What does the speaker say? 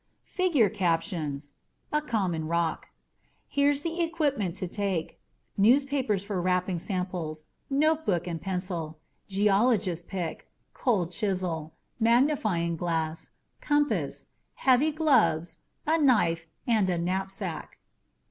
[figure captions] A common rock Here's the equipment to take: newspapers for wrapping samples, notebook and pencil, geologist's pick, cold chisel, magnifying glass, compass, heavy gloves, a knife, and a knapsack.